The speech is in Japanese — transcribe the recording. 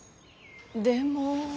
でも。